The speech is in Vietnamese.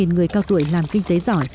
ba người cao tuổi làm kinh tế giỏi